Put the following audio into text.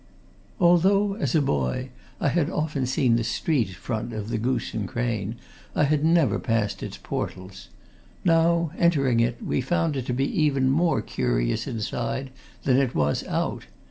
Although, as a boy, I had often seen the street front of the Goose and Crane, I had never passed its portals. Now, entering it, we found it to be even more curious inside than it was out.